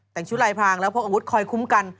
แต่งชุดลายพรางแล้วพกอาวุธคอยคุ้มกัน